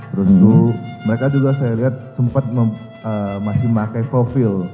terus mereka juga saya lihat sempat masih pakai profil